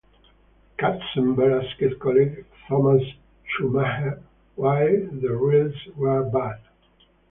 Katzenberg asked colleague Thomas Schumacher why the reels were bad.